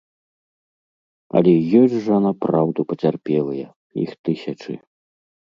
Але ёсць жа напраўду пацярпелыя, іх тысячы.